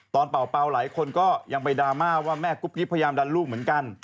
เป่าหลายคนก็ยังไปดราม่าว่าแม่กุ๊กกิ๊บพยายามดันลูกเหมือนกัน